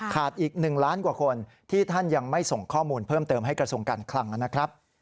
อีก๑ล้านกว่าคนที่ท่านยังไม่ส่งข้อมูลเพิ่มเติมให้กระทรวงการคลังนะครับ